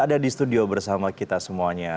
ada di studio bersama kita semuanya